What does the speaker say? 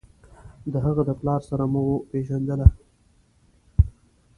د هغه د پلار سره مو پېژندله.